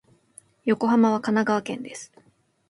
横浜は神奈川県です。